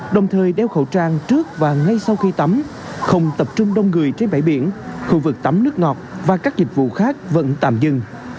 đồng thời đeo khẩu trang trước và ngay sau khi tắm không tập trung đông người trên bãi biển khu vực tắm nước ngọt và các dịch vụ khác vẫn tạm dừng